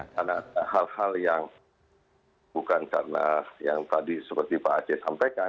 karena hal hal yang bukan karena yang tadi seperti pak aceh sampaikan